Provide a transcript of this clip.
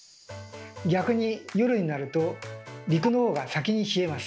逆に夜になると陸のほうが先に冷えます。